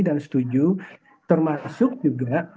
dan ini juga bisa kita beri pengetahuan